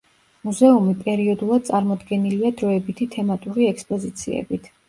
მუზეუმი პერიოდულად წარმოდგენილია დროებითი თემატური ექსპოზიციები.